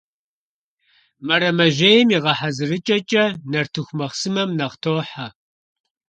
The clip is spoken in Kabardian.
Мэрэмэжьейм и гъэхьэзырыкIэкIэ нартыху махъсымэм нэхъ тохьэ.